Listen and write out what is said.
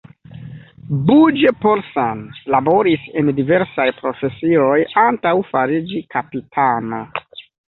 Bugge-Paulsen laboris en diversaj profesioj antaŭ fariĝi kapitano.